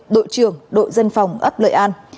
đội trưởng đội dân phòng ấp lợi an